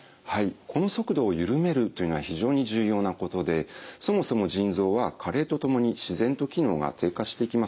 この速度を緩めるというのは非常に重要なことでそもそも腎臓は加齢とともに自然と機能が低下していきます。